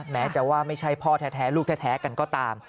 แม้จะว่าไม่ใช่พ่อแท้ลูกแท้กันก็ตาม